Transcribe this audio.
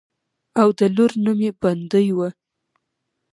او د لور نوم يې بندۍ وۀ